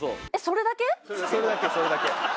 それだけそれだけ。